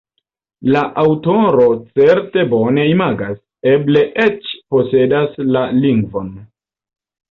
La aŭtoro certe bone imagas, eble eĉ posedas la lingvon.